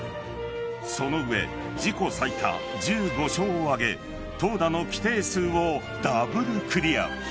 その上、自己最多１５勝を挙げ投打の規定数をダブルクリア。